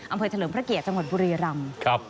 อำเภอเฉลิมพระเกียจังหวัดบุรีรำ